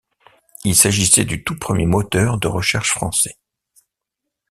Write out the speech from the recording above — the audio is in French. Il s'agissait du tout premier moteur de recherche français.